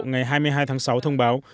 ngày hai mươi hai tháng sáu thông báo